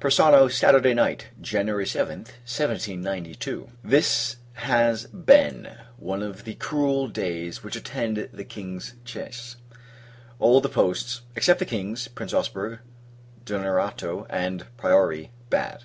Persano, Saturday Night, [January 7th, 1792.] This has been one of the cruel days which attend the King's chasse. All the posts except the King's, Prince Ausberg, D'Onerato, and Priori bad.